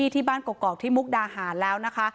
ที่บ้านกอกที่มุกดาหารแล้วนะคะ